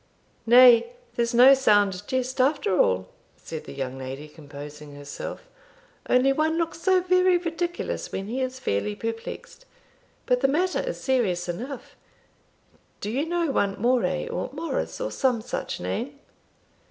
"Nay, there's no sound jest after all," said the young lady, composing herself; "only one looks so very ridiculous when he is fairly perplexed. But the matter is serious enough. Do you know one Moray, or Morris, or some such name?"